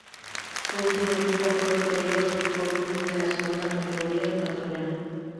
Su último equipo fue el Toreros Fútbol Club, de la Segunda Categoría ecuatoriana.